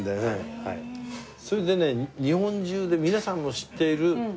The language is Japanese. それでね日本中で皆さんの知っているメニュー。